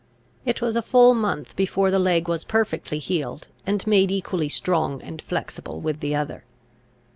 It was a full month before the leg was perfectly healed, and made equally strong and flexible with the other.